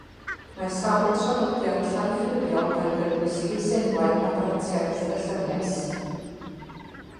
Mae sawl traddodiad llai ffurfiol gan gynnwys llysenwau a bratiaith y Llynges.